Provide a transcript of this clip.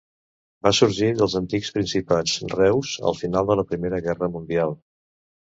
Va sorgir dels antics principats Reuss al final de la Primera Guerra Mundial.